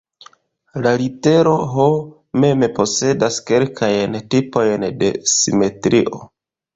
La litero "H" mem posedas kelkajn tipojn de simetrio.